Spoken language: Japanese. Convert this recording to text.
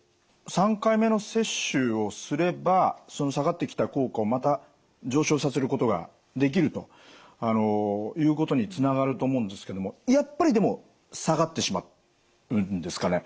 ３回目の接種をすれば下がってきた効果をまた上昇させることができるということにつながると思うんですけどもやっぱりでも下がってしまうんですかね？